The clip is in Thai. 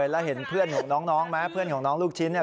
และเห็นเพื่อนของน้องลูกชิเนี้ย